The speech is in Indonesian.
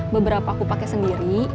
beberapa aku pakai sendiri